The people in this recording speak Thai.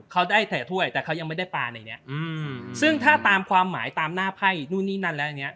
เขาได้แต่ถ้วยแต่เขายังไม่ได้ปลาในเนี้ยอืมซึ่งถ้าตามความหมายตามหน้าไพ่นู่นนี่นั่นแล้วอย่างเงี้